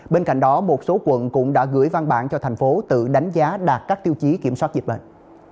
bên cạnh đó một số quận cũng đã gửi văn bản cho thành phố tự đánh giá đạt các tiêu chí kiểm soát dịch bệnh